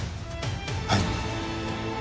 はい。